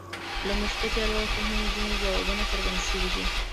له مثبتې ارواپوهنې ځينې ځوابونه څرګند شوي دي.